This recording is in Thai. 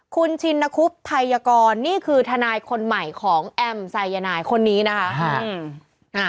คุณชินคุบไทยกรนี่คือทนายคนใหม่ของแอมไซยานายคนนี้นะคะ